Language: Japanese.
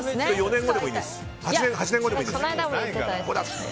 ８年後でもいいです。